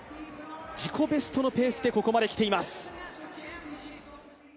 自己ベストのペースでここまで来ています。